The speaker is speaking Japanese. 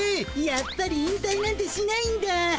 やっぱり引たいなんてしないんだ。